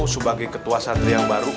sebagai ketua santri yang baru